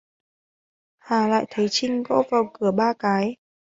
Hà lại thấy Trinh Gõ vào Cửa ba cái